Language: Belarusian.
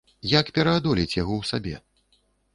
Як пераадолець яго ў сабе?